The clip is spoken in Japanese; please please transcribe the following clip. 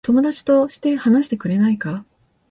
友達として話してくれないか。